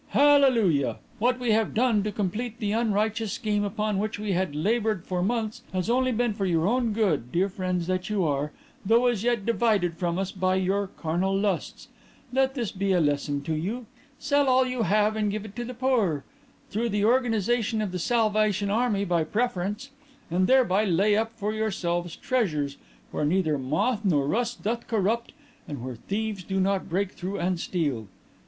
Hallelujah! "What we have done to complete the unrighteous scheme upon which we had laboured for months has only been for your own good, dear friends that you are, though as yet divided from us by your carnal lusts. Let this be a lesson to you. Sell all you have and give it to the poor through the organization of the Salvation Army by preference and thereby lay up for yourselves treasures where neither moth nor rust doth corrupt and where thieves do not break through and steal.